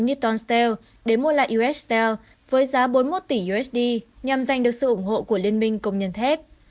newton steel để mua lại us steel với giá bốn mươi một tỷ usd nhằm giành được sự ủng hộ của liên minh công nhân thép